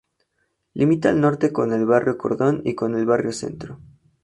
Limita al norte con el barrio Cordón y con el Barrio Centro.